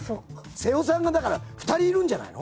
背尾さんがだから２人いるんじゃないの？